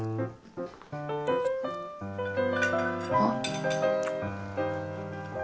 あっ！